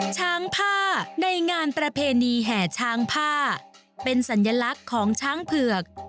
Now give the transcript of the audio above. ช้างผ้าในงานประเพณีแห่ช้างผ้าเป็นสัญลักษณ์ของช้างเผือก